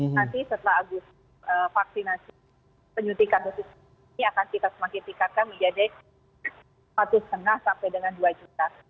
nanti setelah agustus vaksinasi penyuntikan dosis ini akan kita semakin tingkatkan menjadi satu lima sampai dengan dua juta